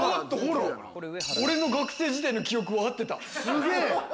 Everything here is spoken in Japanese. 俺の学生時代の記憶はあってた。